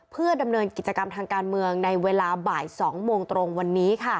เพื่อดำเนินกิจกรรมทางการเมืองในเวลาบ่าย๒โมงตรงวันนี้